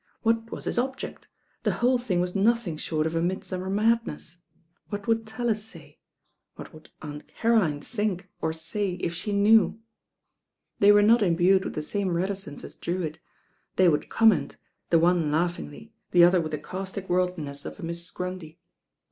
What was his ob ject? The whole thing was nothing short of a mid summer madness. What would Tallis say? What would Aunt Caroline think, or say, if she knew? They were not imbued with the same reticence as Drewitt. They would conwncnt, the one laugh ingly, the other with the caustic worldliness of a Mrs. Grundy.